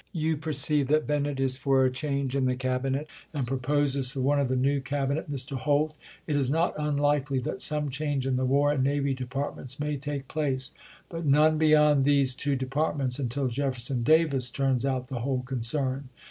You perceive that Bennett is for a change of the Cabinet, and proposes for one of the new Cabinet Mr. Holt. .. It is not unlikely that some change in the War and Navy Departments may take place, but none beyond these two departments until Jefferson Davis turns out the whole concern.